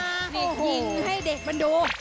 นี่คือยิงให้เด็กมันดู